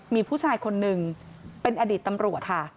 มีผู้ชายคนหนึ่งเป็นอดีตตำรวจค่ะ